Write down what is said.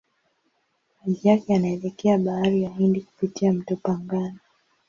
Maji yake yanaelekea Bahari ya Hindi kupitia mto Pangani.